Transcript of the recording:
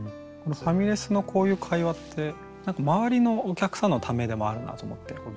ファミレスのこういう会話って何か周りのお客さんのためでもあるなと思ってＢＧＭというか。